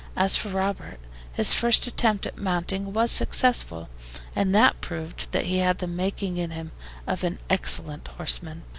As for Robert, his first attempt at mounting was successful, and proved that he had the making in him of an excellent horseman.